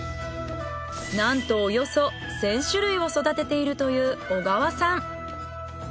なんとおよそ１０００種類を育てているという小川さん。